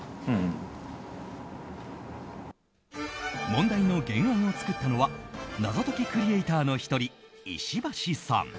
問題の原案を作ったのは謎解きクリエーターの１人石橋さん。